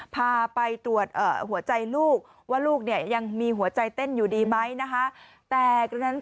พาไปตรวจหัวใจลูกว่าลูกเนี่ยยังมีหัวใจเต้นอยู่ดีไหมนะคะ